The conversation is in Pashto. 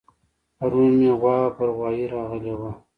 پرون مې غوا پر غوايه راغلې وه